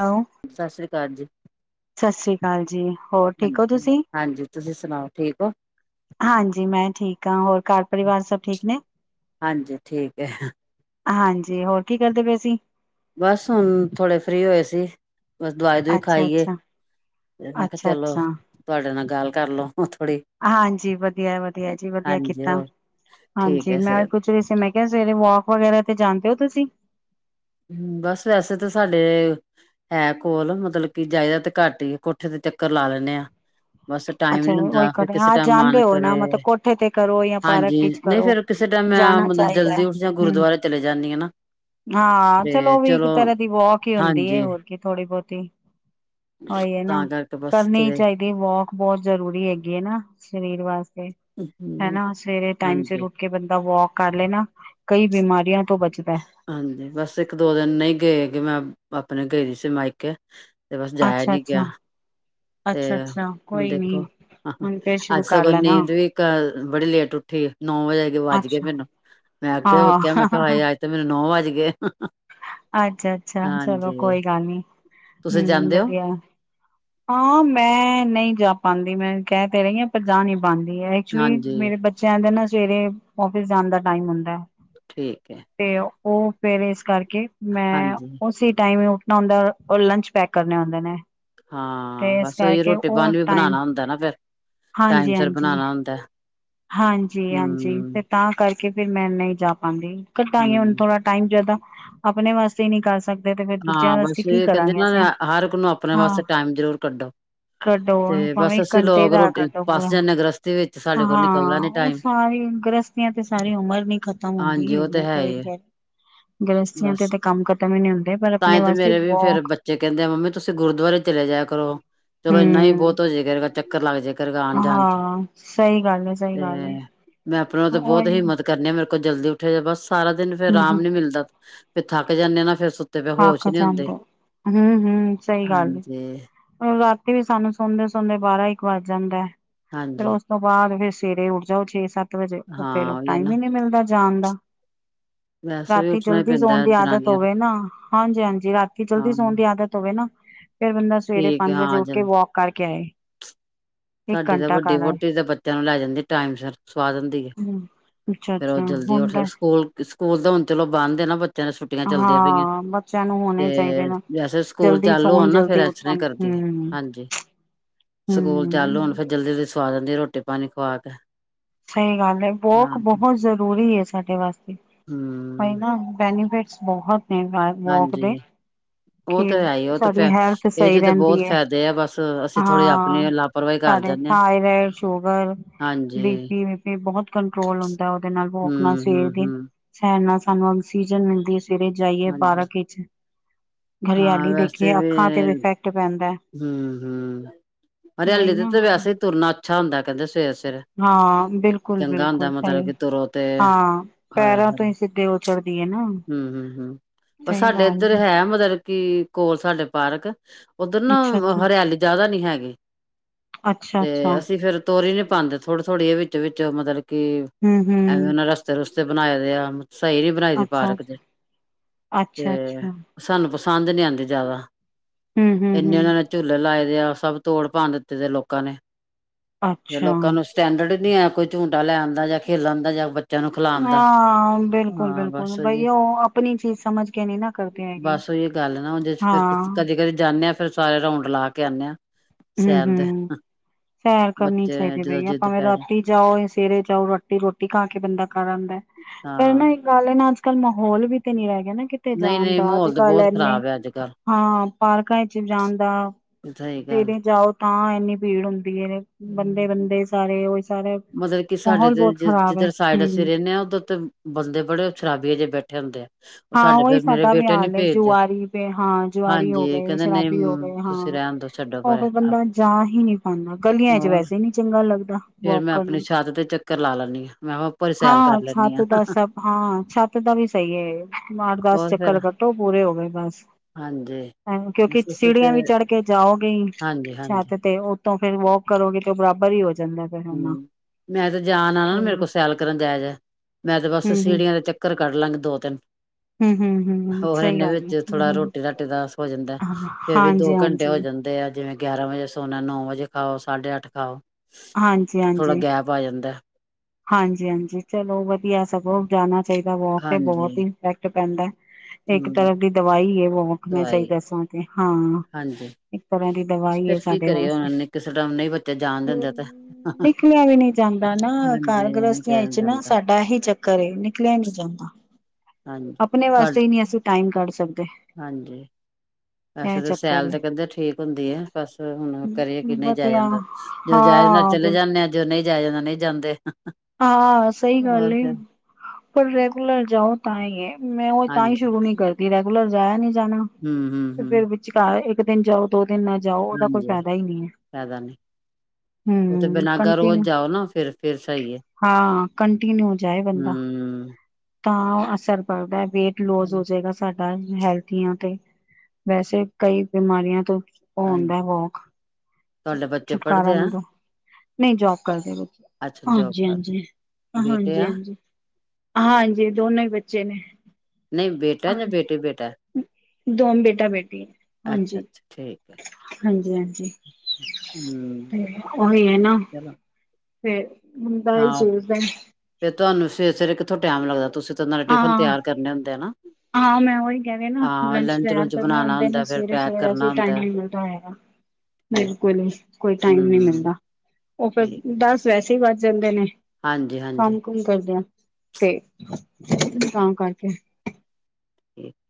ਹੋ ਸਤਿ ਸ਼੍ਰੀ ਅਕਾਲ ਜੀ। ਸਤਿ ਸ੍ਰੀ ਅਕਾਲ ਜੀ। ਹੋਰ ਠੀਕ ਹੋ ਹਾਂ, ਤੁਸੀਂ ਹਾਂਜੀ। ਤੁਸੀਂ ਸੁਣਾਓ ਠੀਕ ਹੋ? ਹਾਂਜੀ, ਮੈਂ ਠੀਕ ਹਾਂ ਹੋਰ ਘਰ ਪਰਿਵਾਰ ਸਭ ਠੀਕ ਨੇ? ਹਾਂਜੀ ਠੀਕ ਹੈ। ਹਾਂਜੀ। ਹੋਰ ਕੀ ਕਰਦੇ ਪਏ ਸੀਂ? ਬਸ ਹੁਣ, ਥੋੜੇ ਫ੍ਰਰੀ ਹੋਏ ਸੀ। ਬਸ ਦਵਾਈ- ਦੁਈ ਅੱਛਾ ਖਾਈਏ ਅੱਛਾ ਤੇ ਮੈਂ ਕਿਹਾ ਅੱਛਾ ਚਲੋ ਅੱਛਾ ਤੁਹਾਡੇ ਨਾਲ ਗੱਲ ਕਰਲਓ ਥੋੜ੍ਹੀ। ਹਾਂਜੀ। ਵਧੀਆ- ਵਧੀਆ ਜੀ ਵਧੀਆ। ਹਾਂਜੀ ਕੀਤਾ ਹੋਰ ਠੀਕ ਹਾਂਜੀ। ਹੈ ਮੈਂ ਸ ਤੇ, ਮੈਂ ਕਿਹਾ, ਸਵੇਰੇ ਵੋਕ ਵਗੈਰਾ ਤੇ ਜਾਂਦੇ ਹੋ ਤੁਸੀਂ? ਹੂ, ਬਸ ਵੈਸੇ ਤਾਂ ਸਾਡੇ ਹੈ ਕੋਲ ਮਤਲਬ ਕਿ ਜਾਇਦਾ ਤੇ ਘੱਟ ਹੀ ਕੋਠੇ ਤੇ ਚੱਕਰ ਲਾ ਲੈਂਦੇ ਆਂ। ਬਸ ਟਾਈਮ ਅੱਛਾ ਨੀ ਉਹੀ ਹੁੰਦਾ ਫੇਰ ਕਰ ਕਿਸੇ ਹਾਂ ਟਾਈਮ ਮਨ ਜਾਂਦੇ ਹੋ ਨਾ ਕਰੇ, ਮਤਲਬ ਕੋਠੇ ਤੇ ਕਰੋ ਜਾਂ ਪਾਰਕ ਹਾਂਜੀ। ਵਿੱਚ ਨਹੀਂ ਕਰੋ ਫੇਰ ਕਿਸੇ ਟਾਈਮ ਮੈਂ ਜਾਣਾ ਮਤਲਬ ਚਾਹੀਦਾ ਹੈ। ਜਲਦੀ ਉੱਠ ਜਾਂ ਹਮ ਗੁਰਦੁਆਰੇ ਚਲੇ ਜਾਂਦੀ ਹਨਾ। ਹਾਂ। ਚਲੋ ਵੀ ਇੱਕ ਤਰ੍ਹਾਂ ਦੀ ਵੋਕ ਹੀ ਹੁੰਦੀ ਹੈ ਹਾਂਜੀ ਹੋਰ ਕੀ ਥੋੜੀ- ਬਹੁਤੀ। ਹੋਏ ਹੈ ਨਾ, ਤਾਂ ਕਰਕੇ ਬਸ ਕਰਨੀ ਹੀ ਚਲੇ ਚਾਹੀਦੀ ਵੋਕ ਬਹੁਤ ਜ਼ਰੂਰੀ ਹੈਗੀ ਹੈ ਨਾ ਸਰੀਰ ਵਾਸਤੇ। ਹਨਾ। ਸਵੇਰੇ ਟਾਈਮ ਚ' ਹਾਂਜੀ, ਰੋਟੀ ਕਿ ਬੰਦਾ ਵੋਕ ਕਰ ਲੈ ਨਾ, ਕਈ ਬਿਮਾਰੀਆਂ ਤੋਂ ਬਚਦਾ। ਹਾਂਜੀ। ਬਸ ਇੱਕ- ਦੋ ਦਿਨ ਨਹੀਂ ਗਏ ਹੈਗੇ ਮੈਂ ਆਪਣੇ ਗਏ ਦੀ ਸੀ ਮਾਇਕੇ। ਤੇ ਬਸ ਜਾਇਆ ਅੱਛਾ ਨੀ ਅੱਛਾ ਗਿਆ। ਅੱਛਾ ਤੇ। ਅੱਛਾ ਹੁਣ ਕੋਈ ਦੇਖੋ ਨੀ ਹੁਣ ਫੇਰ ਸ਼ੁਰੂ ਅੱਜ ਕਰ ਸਗੋਂ ਲੈਣਾ ਨੀਂਦ ਵੀ ਅ ਬੜੀ ਲੇਟ ਉੱਠੀ। ਨੌ ਵਜੇ ਆ ਕੇ ਵੱਜ ਗਏ ਅੱਛਾ ਮੈਨੂੰ। ਮੈਂ ਅੱਗੇ ਕਿਹਾ ਹਾਂ ਮੈਂ ਕਿਹਾ ਹਾਏ ਅੱਜ ਤੇ ਮੈਨੂੰ ਨੌ ਵੱਜ ਗਏ। ਅੱਛਾ- ਅੱਛਾ, ਚਲੋ ਹਾਂਜੀ ਕੋਈ ਗੱਲ ਨੀ ਤੁਸੀਂ ਹੂ ਜਾਂਦੇ ਹੋ ਵਧੀਆ। ਹਾਂ। ਮੈਂ ਨਹੀਂ ਜਾ ਪਾਉਦੀ, ਮੈਂ ਕਹਿ ਤੇ ਰਹੀ ਹਾਂ ਪਰ ਜਾ ਨਹੀਂ ਪਾਉਂਦੀ ਹੈ। ਐਕਚੁਲੀ ਹਾਂਜੀ ਮੇਰੇ ਬੱਚਿਆਂ ਦੇ ਨਾ ਸਵੇਰੇ ਔਫਿਸ ਜਾਣ ਦਾ ਟਮ ਹੁੰਦਾ ਹੈ। ਠੀਕ ਹੈ। ਤੇ ਉਹ ਫੇਰ ਇਸ ਕਰਕੇ, ਮੈਂ ਹਾਂਜੀ ਉਸੇ ਟਾਈਮ ਨਾ ਹੁੰਦਾ ਉਹ ਲੰਚ ਪੈਕ ਕਰਨੇ ਆਉਂਦੇ ਨੇ। ਤੇ ਹਾਂ ਇਸ ਬਸ ਉਹੀ ਕਰਕੇ ਰੋਟੀ ਹੋਰ ਪਾਣੀ ਵੀ ਟਾਈਮ, ਬਣਾਉਣਾ ਹੁੰਦਾ ਨਾ ਫਿਰ ਟਾਈਮ ਹਾਂਜੀ- ਸਿਰ ਹਾਂਜੀ। ਬਣਾਉਣਾ ਹੁੰਦਾ ਹਾਂਜੀ-ਹਾਂਜੀ, ਹਮ ਤੇ ਤਾਂ ਕਰਕੇ ਫਿਰ ਮੈਂ ਨੀ ਜਾ ਪਾਂਦੀ, ਕਢਾਗੀ ਹੀ ਹੁਨ ਹਮ ਥੋੜਾ ਟਾਈਮ ਜਾਦਾ, ਆਪਨੇ ਵਾਸਤੇ ਈ ਨੀ ਕਰ ਸਕ ਐ ਤੇ ਫਿਰ ਦੂਜਿਆ ਹਾਂ ਵਾਸਤੇ ਬਸ ਕੀ ਇਹ ਕਹਿੰਦੇ ਕਰਾਂਗੇ ਨਾ ਅਸੀਂ, ਹਰ ਇੱਕ ਨੂੰ ਆਪਣੇ ਹਾਂ? ਵਾਸਤੇ ਟਾਈਮ ਜ਼ਰੂਰ ਕੱਢੋ ਕੱਢੋ ਹੁਨ ਤੇ ਭਾਵੇਂ ਇਕ ਘੰਟੇ ਦਾ ਕੱਢੋ ਪੂਰਾ। 'ਤੇ ਵਿੱਚ ਸੱਟ। ਹਾਂ, ਉਹ ਸਾਰੀ ਗ੍ਰਸਤੀਆਂ ਤੇ ਸਾਰੀ ਉਮਰ ਨੀ ਖ਼ਤਮ ਹੁੰਦੀ ਹਾਂਜੀ ਏ, ਉਹ ਮੈਂ ਹੈ ਤੇ ਹੀ ਹੈ ਵੇਖਿਐ। ਹਾ। ਗ੍ਰਸੀਆਂ ਤੇ ਬਸ ਤਾਂ ਕੰਮ ਖਤਮ ਈ ਨੀ ਹੁੰਦੇ, ਪਰ ਤਾਂ ਆਪਣੇ ਹੀ ਤੇ ਵਾਸਤੇ ਮੇਰੇ ਵੀ ਫੇਰ ਵਾਕ ਬੱਚੇ ਕਹਿੰਦੇ ਆ ਮੰਮੀ ਤੁਸੀਂ ਗੁਰਦੁਆਰੇ ਚਲੇ ਜਾਇ ਕਰੋ, ਚਲੋ ਇੰਨਾ ਈ ਬੋਤ ਹੋ ਜੇ ਕਰੇਗਾ ਚਕ ਚੱਕਰ ਲੱਗ ਜਾਇਆ ਕਰੇਗਾ ਆਨ- ਜਾਨ 'ਚ, ਹਾਂ ਸਹੀ ਗੱਲ ਹੈ ਸਹੀ ਤੇ ਗੱਲ ਹੈ ਮੈਂ ਆਪਨਾ ਤੇ ਬੋਤ ਉਹੀ ਹੀ ਨਾ ਮਦ ਕਰਨੇ ਆ, ਮੇਰੇ ਕੋਲ ਜਲਦੀ ਉੱਠਿਆ ਜਾ ਬਸ ਸਾਰਾ ਦਿਨ ਫਿਰ ਹਮ ਹਮ ਆਰਾਮ ਨੀ ਮਿਲਦਾ, ਫਿਰ ਥੱਕ ਜਾਂਨੇ ਆ ਨਾ ਫੇਰ ਸੁਤ ਅੱਕ ਜਾਂਦਾ, ਹੂੰ-ਹੂੰ, ਸਹੀ ਗੱਲ ਏ। ਹਾਂਜੀ ਰਾਤੀ ਵੀ ਸਾਨੂੰ ਸੌਦੇ-ਸੌਦੇ ਬਾਰਾਂ-ਇੱਕ ਵੱਜ ਜਾਂਦੈ, ਫਿਰ ਹਾਂਜੀ ਉਸ ਉਸ ਤੋਂ ਬਾਦ ਫੇਰ ਸਵੇਰੇ ਉੱਠ ਜਾਓ ਛੇ- ਸੱਤ ਵਜੇ, ਉਹ ਹਾਂ ਫੇਰ ਉਹੀ ਹੈ ਨਾ ਟਾਈਮ ਈ ਨੀ ਮਿਲਦਾ। ਜਾਨ ਦਾ, ਵੈਸੇ ਵੀ ਰਾਤੀ ਉੱਠਣਾ ਹੀ ਜਲਦੀ ਸੋਨ ਪੈਂਦਾ ਦੀ ਆਦਤ ਜਨਾਨੀਆਂ ਨੂੰ ਹੋਵੇ ਨਾ। ਹਾਂਜੀ-ਹਾਂਜੀ, ਰਾਤੀ ਜਲਦੀ ਹਾਂ ਸੋਨ ਦੀ ਆਦਤ ਹੋਵੇ ਨਾ, ਫੇਰ ਬੰਦਾ ਸਵੇਰੇ ਠੀਕ ਹੈ, ਪੰਜ ਵਜੇ ਹਾਂ ਉੱਠ ਕੇ ਜਲਦੀ ਵੋਕ ਕਰਕੇ ਆਏ ਇੱਕ ਸਾਡੀ ਤੇ ਘੰਟਾ ਵੱਡੀ ਕਰ ਆਏ ਵਹੁਟੀ ਤਾਂ ਬੱਚਿਆਂ ਨੂੰ ਲੈ ਜਾਂਦੀ ਟਾਈਮ ਸਿਰ, ਸਵਾ ਦਿੰਦੀ ਏ। ਅੱਛਾ ਫੇਰ ਉਹ ਅੱਛਾ ਜਲਦੀ ਉੱਠ ਹੁੰਦਾ ਸਕੂਲ- ਸਕੂਲ ਤਾਂ ਹੁਨ ਚਲੋ ਬੰਦ ਏ ਨਾ, ਬ ਚਲ, ਛੁੱਟੀਆਂ ਚੱਲਦੀਆਂ ਪਈਆਂ ਹਾਂ ਬੱਚਿਆਂ ਨੂੰ ਤੇ ਹੋਣੇ ਚਾਹੀਦੇ ਨੇ ਜੈਸੇ ਸਕੂਲ ਜਲਦੀ ਚਾਲੂ ਸੌਣ ਹੋਨ ਨਾ, ਜਲਦੀ ਫਿਰ ਸਹੀ ਉੱਠਣ ਕਰਦੀ ਏ ਹੂੰ ਹਾਂਜੀ। [inaudible] ਸਕੂਲ ਚਾਲੂ ਹੋਨ, ਹੂੰ ਫਿਰ ਜਲਦੀ-ਜਲਦੀ ਸਵਾ ਦੇਂਦੀ ਏ, ਰੋਟੀ-ਪਾਨੀ ਖਵਾ ਕੇ। ਸਹੀ ਗੱਲ ਏ, ਹਾਂ ਵੋਕ ਬੋਤ ਜ਼ਰੂਰੀ ਏ ਸਾਡੇ ਵਾਸਤੇ। ਹੂੰ। ਪਾਇਨਾ [unintelligible] ਬੈਨੀਫਿਟਸ ਬਹੁਤ ਨੇ ਰੇਬੋਕ ਹਾਂਜੀ ਦੇ। ਉਹ ਕੇ, ਤਾਂ ਹੈ ਹੀ ਉਹ ਤਾਂ ਸਾਡੀ ਫੇਰ ਹੈਲਥ ਇਹ ਸਹੀ ਚ ਤਾਂ ਰਹਿੰਦੀ ਬਹੁਤ ਐ, ਫਾਇਦੇ ਆ ਬਸ ਅਸੀਂ ਥੋੜ੍ਹੀ ਹਾਂ। ਆਪਣੀ ਲਾਪਰਵਾਹੀ ਕਰ ਸਾਡੇ ਜਾਂਦੇ ਹਾਂ ਥਾਇਰਿਡ ਸ਼ੂਗਰ। ਹਾਂਜੀ। ਬੀ, ਪੀ ਬਹੁਤ ਕੰਟਰੋਲ ਹੁੰਦੈ ਉਹਦੇ ਨਾਲ, ਵੋਕ ਨਾਲ, ਸਵੇਰ ਦੀ। ਹੂੰ-ਹੂੰ-ਹੂੰ ਸੈਰ ਨਾਲ ਸਾਨੂੰ ਆਕਸੀਜਨ ਮਿਲਦੀ ਏ, ਸਵੇਰੇ ਜਾਈਏ ਹਾਂਜੀ ਪਾਰਕ ਵਿਚ। ਹਾਂ ਹਰਿਆਲੀ ਵੈਸੇ ਦੇਖੀਏ, ਅੱਖਾਂ ਤੇ ਵੀ ਇਫੈਕਟ ਪੈਂਦੈ। ਹੂੰ-ਹੂੰ, ਨਹੀਂ ਹਰਿਆਲੀ ਤੇ, ਨਾ ਤੇ ਵੈਸੇ ਈ ਤੁਰਨਾ ਅੱਛਾ ਹੁੰਦੈ, ਕਹਿੰਦੇ ਸਵੇਰ-ਸਵੇਰੇ। ਹਾਂ, ਬਿਲਕੁਲ- ਬਿਲਕੁਲ ਸਹੀ ਤੁਰੋ ਤੇ ਹਾਂ। ਪੈਰਾਂ ਤੋਂ ਈ ਸਿੱਧੇ। ਚੜਦੀ ਏ ਨਾ। ਹੂੰ-ਹੂੰ-ਹੂੰ, ਪਰ ਸਹੀ ਸਾਡੇ ਗੱਲ ਏੱਧਰ ਹੈ, ਮਤਲਬ ਕਿ ਕੋਲ ਸਾਡੇ ਪਾਰਕ। ਓੱਧਰ ਨਾ ਅੱਛਾ ਅੱਛਾ ਹਰਿਆਲੀ ਜਾਦਾ ਨੀ ਹੈਗੀ, ਅੱਛਾ ਅੱਛਾ ਤੇ ਅਸੀਂ ਫਿਰ ਤੋਰੀ ਨੀ ਪਾਂਦੇ, ਥੋੜੀ-ਥੋੜ੍ਹੀ ਏਅ ਵਿੱਚੋ- ਵਿੱਚ ਮਤਲਬ ਕਿ ਹਮ ਹਮ ਐਵੇਂ ਨਾ ਰਸ ਰਸਤੇ-ਰੁਸਤੇ ਬਨਾਏ ਦੇ ਆ, ਸਹੀ ਨੀ ਬਨਾਈ ਦੀ ਅੱਛਾ ਪਾਰਕ ਅੱਛਾ ਜੀ, ਅੱਛਾ ਅੱਛਾ ਤੇ। ਸਾਨੂੰ ਪਸੰਦ ਨੀ ਆਂਦੀ ਜਾਦਾ, ਹਮ ਹਮ ਇੰਨੇ ਹਮ ਉਨਾਂ ਨੇ ਝੂਲੇ ਲਾਏ ਦੇ ਆ, ਸਭ ਤੋੜ-ਭੰਨ ਦਿੱਤੇ ਦੇ ਲੋਕਾਂ ਨੇ, ਤੇ ਅੱਛਾ ਲੋਕਾਂ ਨੂੰ ਸਟੈਂਡਰਡ ਨੀ ਹੈ, ਕੋਈ ਝੂਟਾਂ ਲੈ ਆਂਦਾ ਜਾਂ ਖੇਲ ਆਂਦਾ ਜਾਂ ਬੱਚ ਬੱਚਿਆਂ ਨੂੰ ਖਿਲਾਣ ਦਾ, ਹਾਂ ਬਿਲਕੁਲ ਹਾਂ ਬਿਲਕੁਲ ਬਸ। 'ਤੇ, ਬਈ ਉਹ ਆਪਣੀ ਚੀਜ਼ ਸਮਝ ਕੇ ਨਹੀਂ ਨਾ ਕਰਦੇ ਹੈਗੇ ਬਸ ਏਹ ਗੱਲ ਏ ਨਾ, ਓਂਦੇ 'ਚ ਹਾਂ ਫਿਰ ਕਦੇ। ਕਦੇ ਜਾਂਨੇ ਆ, ਫਿਰ ਸਾਰੇ ਰਾਊਂਡ ਲਾ ਕੇ ਆਂਨੇ ਆ। ਹਮ ਸੈਰ ਦੇ। ਹਮ ਸੈਰ ਕਰਨੀ ਬੱਚੇ ਚਾਹੀਦੀ। ਜਦੋਂ ਬਈ ਜਿੱਦ ਭਾਵੇਂ ਪੈ ਜਾ ਰਾਤੀ ਜਾਓ, ਸਵੇਰੇ ਜਾਓ ਰਾਤੀ ਰਾੋਟੀ ਰੋਟੀ ਖਾ ਕੇ ਬੰਦਾ ਕਰ ਆਉਂਦਾ। ਪਰ ਹਾਂ -ਹਾਂ। ਨਾ ਗੱਲ ਇਹ ਨਾ ਅੱਜ ਕੱਲ ਮਾਹੌਲ ਵੀ ਤੇ ਨੀ ਰਹਿ ਗਿਆ ਨਾ ਕਿ ਤੇ ਨਹੀਂ ਜਾਣ ਨਹੀਂ ਦਾ, ਅੱਜ ਮਾਹੌਲ ਤਾਂ ਕੱਲ ਬਹੁਤ ਏਨੇ, ਖ਼ਰਾਬ ਹੈ ਅੱਜ ਕੱਲ੍ਹ ਹਾਂ, ਪਾਰਕਾਂ ਚ ਜਾਣ ਦਾ। ਸਹੀ ਗੱਲ ਸਵੇਰੇ ਜਾਓ ਤਾਂ ਇੰਨੀ ਭੀੜ ਹੁੰਦੀ ਏ। ਬੰਦੇ- ਬੰਦੇ ਸਾਰੇ, ਉਹੀ ਸਾਰੇ, ਮਤਲਬ ਕਿ ਸਾਡੇ ਮਾਹੌਲ ਤੇ ਬਹੁਤ ਖਰਾਬ ਹੈ। ਜਿੱਧਰ ਸਾਈਡ ਅਸੀਂ ਹੂੰ। ਰਹਿੰਦੇ ਹਾਂ ਉਧਰ ਤੇ ਬੰਦੇ ਬੜੇ ਸ਼ਰਾਬੀਏ ਜਿਹੇ ਬੈਠੇ ਹੁੰਦੇ ਆ। ਉਹ ਹਾਂ ਸਾਡੇ ਉਹੀ ਫਿਰ ਮੇਰੇ ਸਾਡਾ ਵੀ ਬੇਟੇ ਨੀ ਹਾਲ ਹੈ ਭੇਜਦੇ। ਜੁਆਰੀ ਪੇ ਹਾਂ ਜੁਆਰੀ ਹੋ ਹਾਂਜੀ, ਗਏ ਕਹਿੰਦੇ ਨਹੀਂ ਸ਼ਰਾਬੀ ਹੋ ਗਏ ਹਾਂ ਤੁਸੀਂ ਰਹਿਣ ਦੋ। ਛੱਡੋ ਉਹ ਪਰੇ। ਫਿਰ ਬੰਦਾ ਜਾ ਹੀ ਨਿ [unintelligible] ਹ ਗਲੀਆਂ ਚ ਹੋਰ ਵੈਸੇ ਨੀ ਚੰਗਾ ਲੱਗਦਾ, ਫੇਰ ਵੋਕ ਮੈਂ ਆਪਣੀ ਕਰਨ। ਛੱਤ ਤੇ ਚੱਕਰ ਲਾ ਲੈਂਦੀ ਹਾਂ ਮੈਂ ਕਿਹਾ ਉੱਪਰ ਹੀ ਸੈਲ ਹਾਂ, ਕਰ ਲੈਂਦੀ ਛਤ ਹਾਂ ਦਾ ਸਭ‌। ਹਾਂ, ਛਤ ਦਾ ਵੀ ਸਹੀ ਹੈ। ਮਾਰ ਦਸ ਹੋਰ ਫੇਰ ਚੱਕਰ ਕੱਟੋ, ਪੂਰੇ ਹੋ ਗਏ ਬਸ। ਹਾਂਜੀ। [unintelligible] ਹ ਕਿਉਂਕਿ ਬਸ ਅਸੀਂ ਤੇ ਸੀੜੀਆਂ ਵੀ ਚੜ ਕੇ ਜਾਓਗੇ ਹੀ ਹਾਂਜੀ ਹਾਂਜੀ ਛੱਤ ਤੇ। ਉਤੋ ਫਿਰ ਵੋਕ ਕਰੋਗੇ ਤੇ ਬਰਾਬਰ ਹੀ ਹੋ ਜਾਂਦਾ ਫਿਰ ਹਨਾ ਮੈਂ ਤੇ ਜਾਣ ਆ ਨਾ ਮੇਰੇ ਹਮ ਕੋਲ ਸੈਲ ਕਰਨ ਨ ਜਾਇਆ ਜੇ ਮੈਂ ਤੇ ਬਸ ਹਮ ਸੀੜੀਆਂ ਦੇ ਚ ਚੱਕਰ ਕੱਢ ਲਾਗੀ ਦੋ ਤਿੰਨ। ਹੂੰ, ਹੂੰ, ਹੂੰ, ਹੂੰ ਹੋਰ ਸਹੀ ਇਹਨਾਂ ਗੱਲ ਹੈ ਵਿੱਚ ਹੂੰ, ਥੋੜਾ ਹੂੰ ਰੋਟੀ ਰਾਟੀ ਦਾ [inaudible] ਹੋ ਜਾਂਦਾ। ਹਾਂ, ਫੇਰ ਵੀ ਦੋ ਹਾਂਜੀ, ਘੰਟੇ ਹੋ ਹਾਂਜੀ। ਜਾਂਦੇ। ਤੇ ਆ ਜਿਵੇਂ ਗਿਆਰਾਂ ਵਜੇ ਸੋਨਾ ਨੌ ਵਜੇ ਖਾਓ, ਸਾਢੇ ਅੱਠ ਖਾਓ। ਜੀ ਹਾਂਜੀ ਥੋੜਾ -ਹਾਂਜੀ, ਗੈਪ ਆ ਜਾਂਦਾ ਹਾਂਜੀ- ਹਾਂਜੀ। ਚਲੋ ਵਧੀਆ ਸਗੋਂ ਜਾਣਾ ਚਾਹੀਦਾ ਵੋਕ ਤੇ ਹਾਂਜੀ ਬਹੁਤ ਹੀ ਇਫੈਕਟ ਪੈਂਦਾ। ਇੱਕ ਹੂੰ ਤਰਫ ਦੀ ਦਵਾਈ ਹੈ ਵੋਕ। ਮੈਂ ਸਹੀ ਦਵਾਈ ਦੱਸਾਂ ਤੇ। ਹਾਂ। ਹਾਂਜੀ ਇੱਕ ਤਰ੍ਹਾਂ ਦੀ ਦਵਾਈ ਹੈ ਫੇਰ ਕੀ ਸਾਡੇ ਕਰੀਏ ਵਾਸਤੇ। ਹੁਣ ਕਿਸੇ ਟਾਈਮ ਨਹੀਂ ਜਾਣ ਦਿੰਦੇ ਤੇ ਨਿਕਲਿਆ ਵੀ ਨਹੀਂ ਜਾਂਦਾ ਨਾ। ਘਰ ਹਾਂਜੀ ਗ੍ਰਸਤੀਆਂ ਕਹਿਣ ਵਿਚ ਨਾ ਜਾਂਦਾ ਸਾਡਾ ਏਹੀ ਚੱਕ ਘਰੇ ਨਿਕਲਿਆ ਹੀ ਨਹੀਂ ਜਾਂਦਾ। ਹਾਂਜੀ। ਤੁਹਾ ਨਹੀਂ -ਨਹੀਂ, ਅਸੀਂ ਟਾਈਮ ਕੱਢ ਸਕਦੇ। ਹਾਂਜੀ। ਵੈਸੇ ਇਹ ਤੇ ਸੈਲ ਚੱਕਰ ਤੇ ਏ ਕਹਿੰਦੇ ਠੀਕ ਹੁੰਦੀ ਆ। ਬਸ ਹੁਣ ਕਰੀਏ ਕਿ ਨਹੀਂ ਜਾਇਆ ਵਧੀਆ ਜਾਂਦਾ। ਜੋ ਜਾਏ ਨਾਲ ਹਾਂ ਚਲੇ ਜਾਂਣੇ ਆ, ਜੋ ਨਹੀਂ ਜਾਇ ਜਾਂਦਾ ਨਹੀਂ ਜਾਂਦੇ। ਆ। ਸਹੀ ਗੱਲ ਹੋਰ ਏ। ਫਿਰ ਪਰ ਰੈਗੂਲਰ ਜਾਓ ਤਾਂ ਹੀ ਹੈ। ਮੈਂ ਉਹ ਤਾਂ ਹੀ ਸ਼ੁਰੂ ਨੀ ਹਾਂਜੀ। ਕਰਦੀ, ਰੈਗੂਲਰ ਜਾਇਆ ਨਹੀਂ ਜਾਣਾ। ਹੂੰ ਹੂੰ ਹੂੰ। ਵਿਚ ਕਾਰ ਇੱਕ ਦਿਨ ਜਾਓ, ਦੋ ਦਿਨ ਨਾ ਜਾਓ ਉਹਦਾ ਕੋਈ ਹਾਂਜੀ ਫਾਇਦਾ ਹੀ ਨਹੀਂ ਹੈ। ਫਾਇਦਾ ਨੀ ਉਹ ਤੇ ਹਮ ਬਿਨਾਗਾ ਰੋਜ਼ ਕੰਟੀਨਿਊ ਜਾਓ ਨਾ ਫਿਰ, ਫਿਰ ਸਹੀਏ। ਹਾਂ। ਕੰਟੀਿਨਿਊ ਜਾਏ ਬੰਦਾ। ਹੂੰ ਤਾਂ ਅਸਰ ਪੜਦਾ ਹੈ, ਵੇਟ ਲੋਜ ਹੋ ਜਾਏਗਾ। ਸਾਡਾ ਹੈਲਥੀਆਂ ਤੇ, ਵੈਸੇ ਕਈ ਬਿਮਾਰੀਆਂ ਤੋਂ ਉਹ ਹੂੰਦਾ ਹਾਂਜੀ ਵੋਕ, ਤੁਹਾਡੇ ਬੱਚੇ ਛੁਟਕਾਰਾ ਪੜ੍ਹਦੇ ਆ ਮਿਲੋ। ਨਹੀਂ ਜੋਬ ਕਰਦੇ [unintelligible] ਲੋਕ। ਅੱਛਾ ਹਾਂਜੀ- ਜੋਬ ਹਾਂਜੀ, ਕਰ ਬੇਟੇ ਹਾਂਜੀ- ਆ ਹਾਂਜੀ। ਹਾਂਜੀ। ਦੋਨੋ ਹੀ ਬੱਚੇ ਨੇ ਨਹੀਂ ਬੇਟਾ ਜਾਂ ਬੇਟੀ ਬੇਟਾ। ਦੋਨ ਬੇਟਾ-ਬੇਟੀ ਅੱਛਾ ਹਾਂਜੀ, ਅੱਛਾ ਠੀਕ ਹੈ। ਹਾਂਜੀ, ਹਾਂਜੀ। ਹੂੰ [unintelligible] ਓਈ ਏ ਨਾਂ ਚਲੋ ਫੇਰ ਮੁੰਡਾ ਅਈ ਸੋਚਦੈ ਫੇਰ ਤੂਆਨੂੰ ਸਵੇਰੇ-ਸਵੇਰੇ ਕਿੱਥੋਂ ਟੈਮ ਲੱਗਦੈ, ਤੂਸੀ ਤੇ ਨਾਲੇ ਟਿਫੱਨ ਹਾਂ ਤੇਆਰ ਕਰਨੇ ਹੁੰਦੇ ਐ ਨਾ। ਹਾਂ ਮੈਂ ਓਈ ਕੈ ਰੀ ਨਾ ਹਾਂ ਲੰਚ ਤੇਆਰ ਲੁਚ ਕਰਨੇ ਬਣਾਣਾ ਹੁੰਦੇ ਨੇ ਹੁੰਦਾ ਫੇਰ ਪੈਕ ਸਵੇਰੇ-ਸਵੇਰੇ ਕਰਨਾ ਅਸੀ, ਟਾਈਮ ਹੁੰਦਾ ਨੀ ਮਿਲਦਾ ਹੋਏਗਾ। ਤੇ ਬਿਲਕੁਲ, ਕੋਈ ਟਾਈਮ ਨੀ ਹੂੰ ਮਿਲਦਾ ਓ ਫੇਰ ਠੀਕ ਦਾੱਸ ਵੈਸੇ ਈ ਵਾੱਜ ਜਾਂਦੇ ਨੇ, ਹਾਂਜੀ ਹਾਂਜੀ ਕਾੰਮ-ਕੁੁੰਮ ਕਰਦੇਆਂ ਤੇ, ਤਾਂ ਕਾਰਕੇ [inaudible]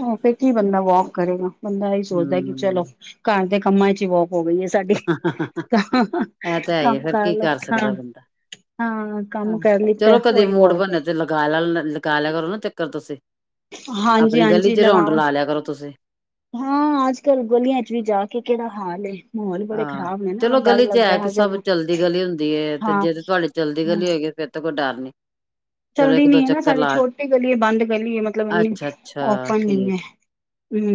ਅ ਫੇਰ ਕੀ ਬੰਦਾ ਵੋਕ ਕਰੇਗਾ, ਬੰਦਾ ਏਈ ਸੋਚਦੈ ਕਿ ਚਲੋ ਹੂੰ ਘਾਰ ਦੇ ਕੰਮਾਂ ਇਚ ਈ ਵੋਕ ਹੋ ਗਈ ਏ ਸਾਡੀ, ਇਹ ਤਾਂ [unintelligible] ਹੈ ਹੀ ਕਾੰਮ ਫੇਰ ਕਾਰ ਕੀ ਲੋ, ਹਾਂ। ਹਾਂ। ਆ, ਕੰਮ ਕਰ ਲਿੱਤਾ ਚਲੋ ਕਦੇ ਉਹੀ ਮੂਡ ਵੋਕ ਹੈ ਬਨੇ ਤੇ ਲਗਾ ਲਾ ਲ ਲਗਾ ਲੇਆ ਕਰੋ ਨਾ ਚੱਕਰ ਤੂਸੀ। ਹਾਂਜੀ ਆਪਨੀ ਗਲੀ ਹਾਂਜੀ ਚ ਰੋਂਡ ਲਗਾਓ ਲਾ ਲੇਆ ਕਰੋ ਤੂਸੀ। ਹਾਂ, ਆੱਜ-ਕਲ ਗਲੀਆਂ ਚ ਵੀ ਜਾ ਕੇ ਕੇੜਾ ਹਾਲ ਏ। ਮਾਹੌਲ ਬੜੇ ਆ, ਖ਼ਰਾਬ ਨੇ ਨਾ ਚਲੋ ਡਰ ਗਲੀ ਚ ਹੈ ਲੱਗਦਾ ਕਿ ਜਬ ਸਬ ਚਲਦੀ ਗਲੀ ਹੁੰਦੀ ਏ, ਤੇ ਹਾਂ ਜੇ ਤੇ ਤੂਆਡੇ ਚਲਦੀ ਗਲੀ ਹੋਗੀ ਏ ਫੇਰ ਤੇ ਕੋਈ ਡਾੱਰ ਨੀ। ਚਲੋ ਚੱਲਦੀ ਇੱਕ ਨੀ ਦੋ ਐ ਨਾ ਚੱਕਰ ਸਾਡੀ ਲਾ ਛੋਟੀ ਗਲੀ ਏ, ਬਾੰਦ ਗਲੀ ਏ, ਮਤਲਬ ਇੰਨੀ ਓਪਨ ਨੀ ਐ।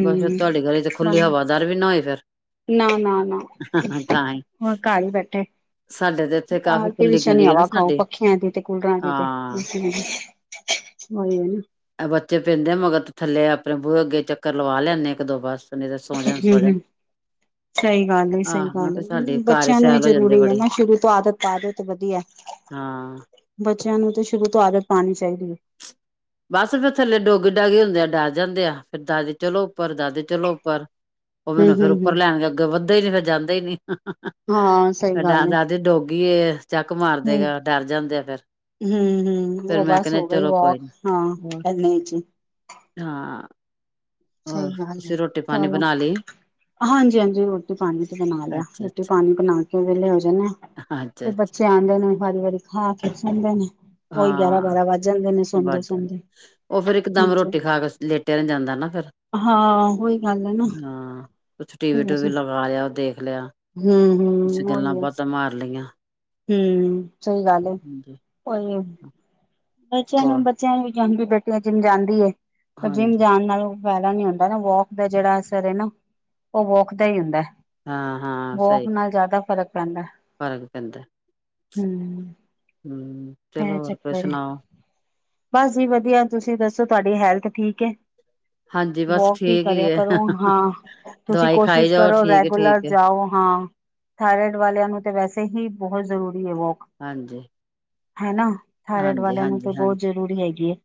ਬਾੱਸ ਫੇਰ ਤੂਆਡੀ ਗਲੀ ਤੇ ਖੁੱਲੀ ਹਵਾਦਾਰ ਵੀ ਨਾ ਹੋਈ ਫੇਰ? ਨਾ, ਨਾ, ਨਾ ਤਾਂ ਹੀ ਹੋਰ ਘਾਰ ਈ ਬੈਠੇ। ਸਾਡੇ ਤੇ ਇੱਥੇ ਕਾਫ਼ੀ ਖੁੱਲੀ ਆਲਟੀਵੀਸ਼ਨ ਈ ਗਲੀ ਹੈ ਨਾ ਹਵਾ ਖਾਓ ਸਾਡੀ ਪੱਖੇਆਂ ਦੀ ਤੇ, ਕੂਲਰਾਂ ਦੀ ਤੇ। ਹਾਂ ਹੂੰ। ਐ ਬੱਚੇ ਪੈਂਂਦੇ ਮਗਰ ਤੇ ਥੱਲੇ ਅਪਨੇ ਬੂਹੇ ਅੱਗੇ ਚੱਕਰ ਲਵਾ ਲੈਨੇ ਇੱਕ-ਦੋ ਬਾੱਸ, ਨੀ ਤੇ ਸੋ ਜਾਨ, ਸੋ ਜਾਨ। ਸਈ ਗਾੱਲ ਏ, ਸਈ ਗਾੱਲ ਕਿਹਾ ਸਾਡੇ ਏ, ਘਰ ਹੀ ਬੱਚੇਆਂ ਨੂੰ ਵੀ ਸੈਲ ਹੋ ਜਾਂਦੇ ਜਰੂਰੀ ਐ ਬੜੇ ਨਾ, ਸ਼ੁਰੂ ਤੋਂ ਆਦਤ ਪਾ ਦੇਓ ਤੇ ਵਦੀਐ। ਹਾਂ। ਬੱਚੇਆਂ ਨੂੰ ਤੇ ਸ਼ੁਰੂ ਤੋਂ ਆਦਤ ਪਾਨੀ ਚਾਈਦੀ ਏ। ਬਾੱਸ ਫੇਰ ਥੱਲੇ ਡੋਗੀ-ਡਾਗੀ ਹੁੰਦੇ ਆ, ਡਾਰ ਜਾਂਦੇ ਆ ਫੇਰ ਦਾਦੀ ਚਲੋ ਉੱਪਰ, ਦਾਦੀ ਚਲੋ ਉੱਪਰ। ਓ ਹਮ ਮੈਨੂੰ ਫੇਰ ਹਮ ਉੱਪਰ ਹਮ ਲੈਣ, ਅੱਗੇ ਵੱਦੇ ਈ ਨੀ ਫੇਰ ਜਾਂਦੇ ਈ ਨੀ। [unintelligible] ਹਾਂ ਸਹੀ ਗੱਲ ਏ ਦਾਦੀ ਡੋਗੀ ਏ, ਚੱਕ ਮਾਰਦੇ ਗਾ ਡਾਰ ਜਾਂਦੇ ਆ ਫਿਰ। ਹੂੰ, ਹੂੰ ਫੇਰ ਓ ਮੈਂ ਬਾੱਸ ਕਹਿੰਦੇ ਹੋ ਗਈ ਚਲੋ ਕੋਈ ਵੋਕ ਨੀ ਹਾਂ, ਐਨੈ ਚ ਈ। ਹਾਂ। ਸਈ ਹੋਰ ਗਾੱਲ ਏ, ਤੁਸੀਂ ਰੋਟੀ ਪਾਣੀ ਚਲੋ। ਬਣਾ ਲਈ ਹਾਂਜੀ-ਹਾਂਜੀ, ਰੋਟੀ-ਪਾਨੀ ਤੇ ਬਨਾ ਲੇਆ, ਅੱਛਾ ਰੋਟੀ-ਪਾਨੀ ਬਨਾ ਕੇ ਵੈਲੇ ਹੋ ਜਾਨੇ ਆਂ। ਅੱਛਾ ਤੇ ਅੱਛਾ ਬੱਚੇ ਆਂਦੇ ਨੇ ਵਾਰੀ-ਵਾਰੀ ਖਾ ਕੇ ਸੋਂਦੇ ਨੇ। ਉਹੀ ਗਿਆਰਾਂ ਹਾਂ, ਬਾਰਾਂ ਵੱਜ ਜਾਂਦੇ ਨੇ ਵਾੱਦ ਸੌਦੇ-ਸੌਦੇ ਓ ਫੇਰ ਇੱਕ ਦਮ ਰੋਟੀ ਹਾਂਜੀ ਖਾ ਕੇ ਲੇਟੇਆ ਨੀ ਜਾਂਦਾ ਨਾ ਫੇਰ। ਹਾਂ, ਓਈ ਗਾੱਲ ਏ ਨਾ। ਕੁੱਛ ਟੀਵੀ-ਟੂਵੀ ਵੈਸੇ ਲਗਾਏਆ, ਦੇਖ ਲੇਆ, ਕੁੱਛ ਹੂੰ-ਹੂੰ ਉਹੀ ਗੱਲਾਂ ਹੈ ਬਾਤਾਂ ਮਾਰ ਲਈਆਂ। ਹੂੰ, ਸਈ ਗਾੱਲ ਏ, ਓਈ ਹ ਬੱਚੇਆਂ ਨੂੰ, ਬੱਚੇਆਂ ਨੂੰ ਵੀ ਜਾਂਦੀ, ਬੇਟੀਆਂ ਜਿੰਮ ਜਾਂਦੀ ਏ, ਪਰ ਜਿੰਮ ਹਾਂਜੀ ਜਾਨ ਨਾਲੋਂ ਫੈਦਾ ਨੀ ਹੁੰਦਾ ਨਾ, ਵੋਕ ਦਾ ਜੇੜਾ ਅਸਰ ਏ ਨਾ, ਓ ਵੋਕ ਦਾ ਈ ਹੁੰਦੈ। ਹਾਂ ਹਾਂ ਵੋਕ ਸਹੀ ਨਾਲ ਜਾਦਾ ਫ਼ਰਕ ਪੈਂਦੈ। ਫ਼ਰਕ ਪੈਂਦਾ ਹੂੰ ਇਹ ਚਲੋ ਹੋਰ ਕੋ ਚੱਕਰ ਹੈ ਸੁਣਾਓ। ਬਸ ਜੀ ਵਧੀਆ ਤੁਸੀਂ ਦੱਸੋ ਤੁਆਡੀ ਹੈਲਥ ਠੀਕ ਏ। ਹਾਂਜੀ ਬਸ ਵੋਕ ਵੀ ਠੀਕ ਹੀ ਕਰਿਆ ਹੈ ਕਰੋ ਹਾਂ। ਤੁਸੀਂ ਦਵਾਈ ਖਾਈ ਕੋਸ਼ਿਸ਼ ਜਾਓ ਕਰੋ ਠੀਕ ਹੈ ਠੀਕ ਰੈਗੂਲਰ ਹੈ ਜਾਓ ਹਾਂ। ਥਾਇਰੇਡ ਵਾਲਿਆਂ ਨੂੰ ਤੇ ਵੈਸੇ ਹੀ ਬੋਤ ਜ਼ਰੂਰੀ ਏ ਵੋਕ। ਹਾਂਜੀ ਹੈਨਾ। ਥਾਇਰਡ ਹਾਂਜੀ ਵਾਲਿਆਂ ਨੂੰ ਹਾਂਜੀ ਤੇ ਹਾਂਜੀ ਬੋਤ ਜ਼ਰੂਰੀ ਹੈਗੀ ਐਂ।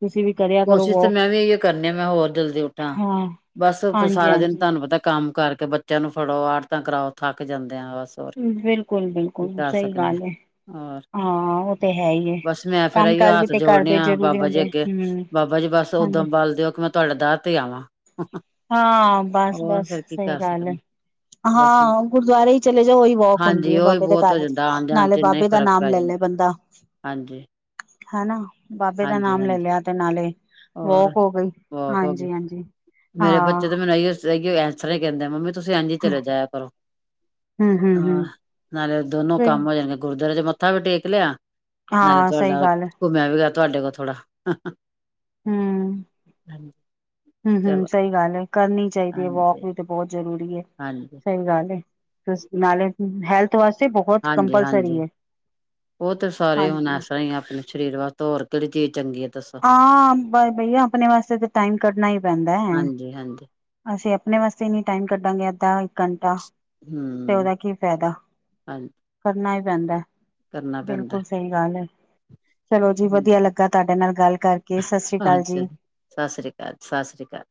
ਤੁਸੀਂ ਵੀ ਕਰਿਆ ਕਰੋ ਕੋਸ਼ਿਸ਼ ਤੇ ਵੋਕ ਮੈਂ ਵੀ ਏਈ ਓ ਕਰਨੀ ਆ ਮੈਂ ਹੋਰ ਜਲਦੀ ਉੱਠਾਂ। ਹਾਂ ਬਸ ਹਾਂਜੀ ਸਾਰਾ ਦਿਨ ਹਾਂਜੀ ਤਾਨੂੰ ਪਤਾ ਕੰਮ ਕਰਕੇ ਬੱਚਿਆਂ ਨੂੰ ਫੜੋ, ਆੜਤਾਂ ਕਰਾਓ, ਥੱਕ ਜਾਂਦੇ ਆ ਬਸ। ਹੋਰ ਬਿਲਕੁਲ ਕੀ ਬਿਲਕੁਲ ਕਰ ਸ‌ਈ ਸਕਦੇ ਹਾਂ ਗੱਲ ਏ। ਹੋਰ ਹਾਂ ਓ ਤੇ ਹੈ ਈ ਏ, ਬਸ ਮੈਂ ਫੇਰ ਕੰਮ ਅਈਓ ਕਾਰ ਵੀ ਹੱਥ ਤੇ ਜੋੜਨੇ ਘਰਦੇ ਆ ਜ਼ਰੂਰੀ ਬਾਬਾ ਜੀ ਹੁੰਦੇ। ਅੱਗੇ ਹੂੰ ਬਾਬਾ ਜੀ ਬਸ ਹਾਂਜੀ ਉਦਮ ਬਲ ਦਿਓ ਕੀ ਮੈਂ ਤਾਡੇ ਦਰ ਤੇ ਆਵਾਂ। ਹਾਂ ਬਸ ਹੋਰ ਬਸ ਫੇਰ ਕੀ ਸ‌ਈ ਕਰ ਗੱਲ ਐ। ਸਕਦੇ ਬਸ ਹਾਂ ਗੁਰਦਵਾਰੇ ਈ ਚਲੇ ਜਾਓ ਓਈ ਵੋਕ ਹੁੰਦੀ ਹਾਂਜੀ ਐ, ਉਹੀ ਬਾਬੇ ਦੇ ਬਹੁਤ ਹੋ ਘਰ'ਚ। ਜਾਂਦਾ ਆਣ ਜਾਣ ਨਾਲੇ ਚ ਇੰਨਾ ਹੀ ਬਾਬੇ ਦਾ ਫ਼ਰਕ ਨਾਮ ਪੈ ਲੈ ਲੈ। ਜਾਂਦਾ ਬੰਦਾ ਹਾਂਜੀ ਹਨਾ ਬਾਬੇ ਦਾ ਹਾਂਜੀ ਨਾਮ ਲੈ ਹਾਂਜੀ ਲਿਆ, ਤੇ ਨਾਲੇ ਹੋਰ ਵੋਕ ਹੋ ਗਈ ਵਾਕ ਹੋ ਗਈ ਹਾਂਜੀ ਹਾਂਜੀ। ਮੇਰੇ ਹਾਂ ਬੱਚੇ ਤੇ ਮੈਨੂੰ ਏਈ ਓ ਐਂਸਰਾ ਈ ਕੈਂਦੇ ਮੰਮੀ ਤੁਸੀਂ ਏਂਝ ਈ ਹਮ ਚਲੇ ਜਾਇਆ ਕਰੋ। ਹਮ ਹਾਂ ਹਮ ਨਾਲੇ ਦੋਨੋ ਕੰਮ ਓ ਜਾਂਦੇ ਗੁਰਦਵਾਰੇ ਜੇ ਮਥ ਮੱਥਾ ਵੀ ਟੇਕ ਲਿਆ ਨਾਲੇ ਹਾਂ ਸਹੀ ਤੁਆਡਾ ਗੱਲ ਘੁੰਮਿਆ ਵੀ ਗਿਆ ਤੁਆਡੇ ਕੋ ਥੋੜਾ। ਹੂੰਅ ਹੂੰ ਹੂੰ ਚਲੋ ਸ‌ਈ ਗੱਲ ਐ ਕਰਨੀ ਚਾਈਦੀ ਏ ਵੋਕ ਹਾਂਜੀ ਵੀ ਹਾਂਜੀ ਤੇ ਬੋਤ ਜ਼ਰੂਰੀ ਏ। ਹਾਂਜੀ ਸ‌ਈ ਗੱਲ ਏ ਤੁਸ ਨਾਲੇ ਹੈਲਥ ਤੁਆਸੀ ਬਹੁਤ ਹਾਂਜੀ ਕੰਪਲਸਰੀ ਹਾਂਜੀ ਹੈ ਓ ਤੇ ਸਾਰੇ ਹੁਣ ਹਾਂਜੀ ਏਸਰ੍ਹਾਂ ਈ ਆ ਆਪਣੇ ਸਰੀਰ ਵਾਸਤੇ ਹੋਰ ਕੇੜੀ ਚੀਜ਼ ਚੰਗੀ ਆ। ਹਾਂ ਬਈਆ ਆਪਣੇ ਵਾਸਤੇ ਤਾਂ ਟਾਈਮ ਕੱਢਣਾ ਈ ਪੈਂਦਾ। ਜੀ ਹਾਂਜੀ। ਅਸੀਂ ਆਪਣੇ ਵਾਸਤੇ ਨੀ ਟਾਈਮ ਕੱਢਾਂਗੇ ਅੱਧਾ ਘੰਟਾ ਤੇ ਹਮ ਓਦਾ ਕੀ ਫਾਇਦਾ ਹਾਂਜੀ ਕਰਨਾ ਈ ਪੈਂਦਾ। ਕਰਨਾ ਪੈਂਦਾ ਬਿਲਕੁਲ ਸ‌ਈ ਗੱਲ ਐ। ਚਲੋ ਜੀ ਵਧੀਆ ਲੱਗਾ ਤਾਡੇ ਨਾਲ ਗੱਲ ਕਰਕੇ ਸਸਰੀ ਕਾਲ ਜੀ। ਸਾਸਰੀ ਕਾਲ -ਸਾਸਰੀਕਾਲ।